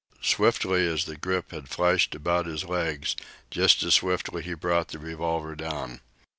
Swiftly as the grip had flashed about his legs, just as swiftly he brought the revolver down.